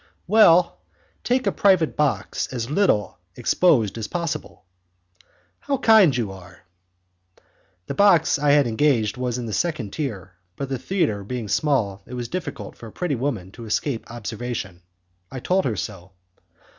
"Well, take a private box as little exposed as possible." "How kind you are!" The box I had engaged was in the second tier, but the theatre being small it was difficult for a pretty woman to escape observation. I told her so.